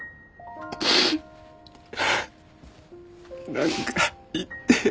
何か言ってよ。